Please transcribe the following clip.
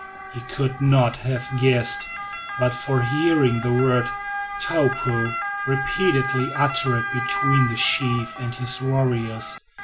He could not have guessed, but for hearing the word "Taupo" repeatedly uttered between the chief and his warriors.